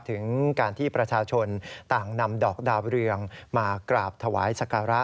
ถึงการที่ประชาชนต่างนำดอกดาวเรืองมากราบถวายสการะ